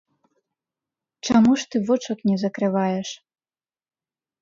Чаму ж ты вочак не закрываеш?